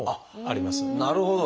なるほど。